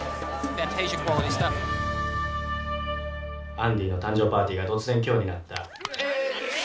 アンディの誕生パーティーが突然今日になった。